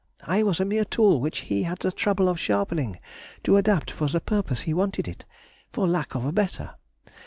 I was a mere tool which he had the trouble of sharpening and to adapt for the purpose he wanted it, for lack of a better.